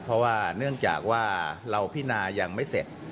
เพราะว่าเนื่องจากว่าเราพินายังไม่เสร็จ